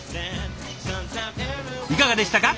いかがでしたか？